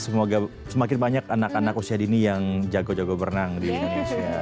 semoga semakin banyak anak anak usia dini yang jago jago berenang di indonesia